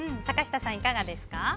坂下さん、いかがですか？